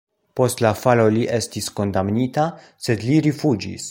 Post la falo li estis kondamnita, sed li rifuĝis.